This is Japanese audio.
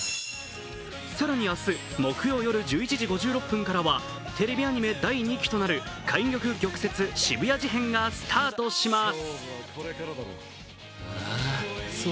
更に明日木曜夜１１時５６分からはテレビアニメ第２期となる「懐玉・玉折／渋谷事変」がスタートします。